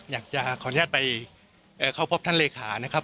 อยากจะขออนุญาตไปเข้าพบท่านเลขานะครับ